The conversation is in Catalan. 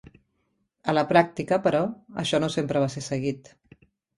A la pràctica, però, això no sempre va ser seguit.